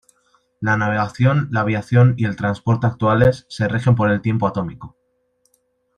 La navegación, la aviación y el transporte actuales se rigen por el Tiempo Atómico.